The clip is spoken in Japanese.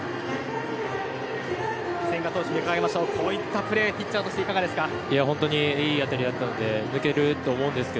千賀投手、こういったプレーピッチャーとしていかがですか。